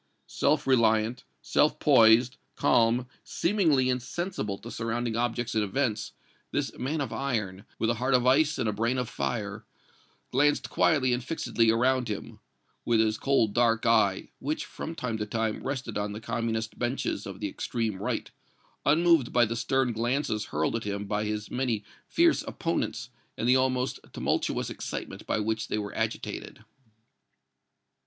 Self reliant, self poised, calm, seemingly insensible to surrounding objects and events, this man of iron, with a heart of ice and a brain of fire, glanced quietly and fixedly around him, with his cold, dark eye, which, from time to time, rested on the Communist benches of the extreme right, unmoved by the stern glances hurled at him by his many fierce opponents and the almost tumultuous excitement by which they were agitated.